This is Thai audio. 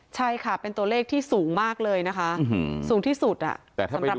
ใช่ค่ะเป็นตัวเลขที่สูงมากเลยนะคะสูงที่สุดสำหรับรายวัน